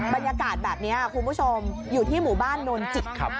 บรรยากาศแบบนี้คุณผู้ชมอยู่ที่หมู่บ้านโนนจิกครับ